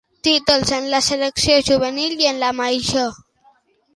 Títols en la selecció juvenil i en la major.